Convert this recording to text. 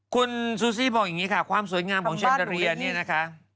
คุณซูซี่บอกอย่างนี้ค่ะความสวยงามของเชนเตอเรียเนี่ยนะคะ